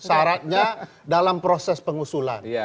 sarannya dalam proses pengusulan